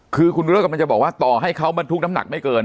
คือคุณครูโดยก็มันจะบอกว่าต่อให้เขาบันทุกข์น้ำหนักไม่เกิน